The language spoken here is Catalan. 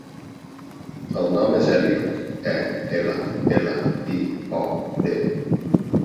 El nom és Elliot: e, ela, ela, i, o, te.